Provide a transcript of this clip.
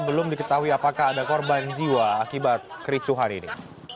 belum diketahui apakah ada korban jiwa akibat kericuhan ini